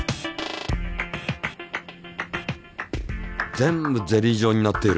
全部ゼリー状になっている。